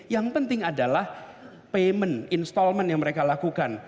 yang penting adalah payment installment yang mereka lakukan